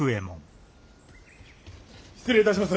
失礼いたします！